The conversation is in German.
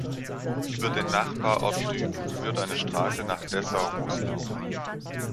Über den Nachbarort Düben führt eine Straße nach Dessau-Roßlau.